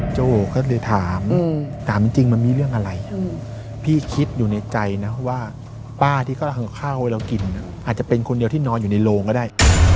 โอก็เลยถามถามจริงมันมีเรื่องอะไรพี่คิดอยู่ในใจนะว่าป้าที่เขาข้าวให้เรากินอาจจะเป็นคนเดียวที่นอนอยู่ในโรงก็ได้